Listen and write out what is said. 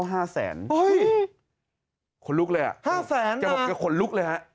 อย่างกับคนลุกเลยเหรอเกือบขนลุกเหรอฮะ